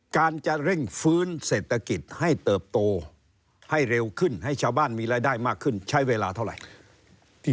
การจะเร่งฟื้นเศรษฐกิจให้เติบโตให้เร็วขึ้นให้ชาวบ้านมีรายได้มากขึ้นใช้เวลาเท่าไหร่